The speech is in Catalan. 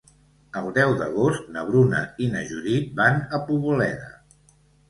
El deu d'agost na Bruna i na Judit van a Poboleda.